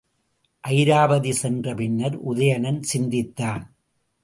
அயிராபதி சென்ற பின்னர் உதயணன் சிந்தித்தான்.